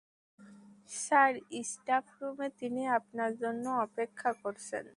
Sir staff রুমে তিনি আপনার জন্য অপেক্ষা করছেন।